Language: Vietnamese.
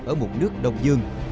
ở một nước đông dương